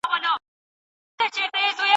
دا رومان د نړۍ د ادبیاتو یوه لویه شتمني ده.